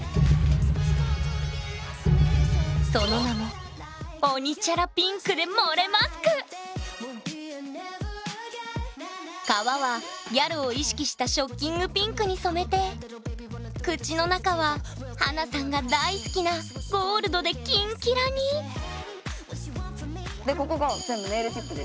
その名も革はギャルを意識したショッキングピンクに染めて口の中は華さんが大好きなゴールドでキンキラにでここが全部ネイルチップです。